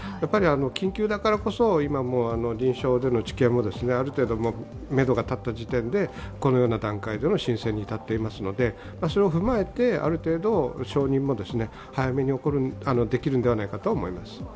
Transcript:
緊急だからこそ今も臨床での治験もある程度めどが立った時点で、このような段階での申請に至っていますのでそれを踏まえて、ある程度、承認も早めにできるのではないかと思います。